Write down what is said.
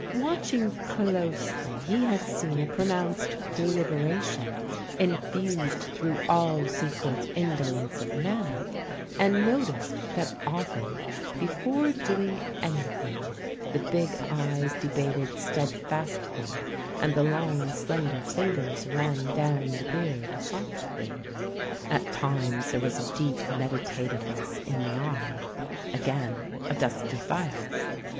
Watching closely he had seen a pronounced deliberation infused through all Secord's indolence of manner, and noticed that often, before doing anything, the big eyes debated steadfastly, and the long, slender fingers ran down the beard softly. At times there was a deep meditative ness in the eye, again a dusky fire.